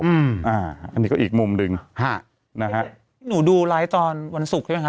อืมอ่าอันนี้ก็อีกมุมหนึ่งฮะนะฮะหนูดูไลฟ์ตอนวันศุกร์ใช่ไหมค